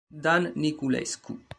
Dan Niculescu